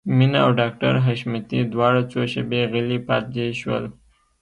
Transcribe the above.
مينه او ډاکټر حشمتي دواړه څو شېبې غلي پاتې شول.